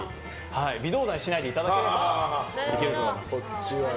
微動だにしないでいただければいけると思います。